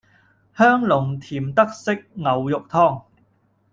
香濃甜德式牛肉湯